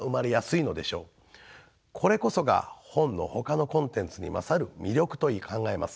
これこそが本のほかのコンテンツに勝る魅力と考えます。